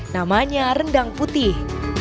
namanya rendang putih